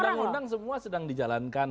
undang undang semua sedang dijalankan